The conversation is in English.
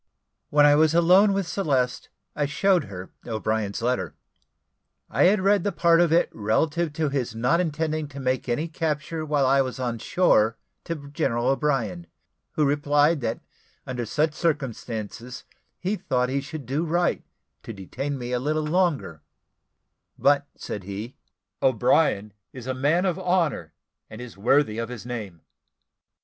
When I was alone with Celeste, I showed her O'Brien's letter. I had read the part of it relative to his not intending to make any capture while I was on shore to General O'Brien, who replied, that "under such circumstances he thought he should do right to detain me a little longer; but," said he, "O'Brien is a man of honour and is worthy of his name."